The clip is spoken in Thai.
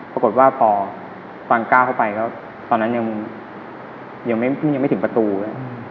ปรากฏว่าพอตอนก้าวเข้าไปก็ตอนนั้นยังไม่ถึงประตู